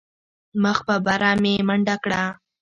مخ په بره مې منډه کړه.